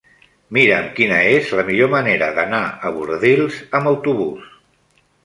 Mira'm quina és la millor manera d'anar a Bordils amb autobús.